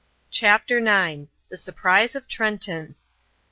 CHAPTER IX. THE SURPRISE OF TRENTON.